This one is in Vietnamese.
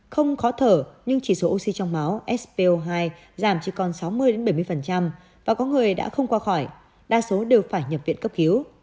không khó thở nhưng chỉ số oxy trong máu spo hai giảm chỉ còn sáu mươi bảy mươi và có người đã không qua khỏi đa số đều phải nhập viện cấp cứu